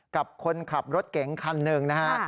กับคนขับรถเก๋งคันหนึ่งนะฮะ